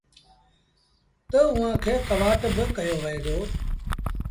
تا اُئآݩ کي ڪوآٽ با ڪهيو وهي دو۔